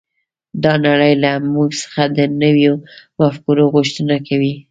دا نړۍ له موږ څخه د نویو مفکورو غوښتنه کوي